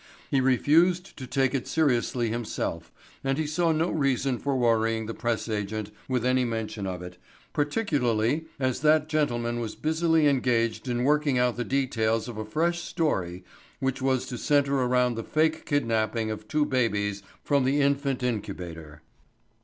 He refused to take it seriously himself and he saw no reason for worrying the press agent with any mention of it, particularly as that gentleman was busily engaged in working out the details of a fresh story which was to center around the fake kidnapping of two babies from the Infant Incubator.